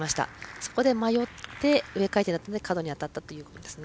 そこで迷って、上回転だったので角に当たったということですね。